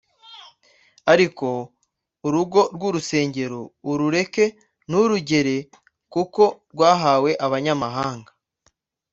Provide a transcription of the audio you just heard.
ariko urugo rw’urusengero urureke nturugere kuko rwahawe abanyamahanga,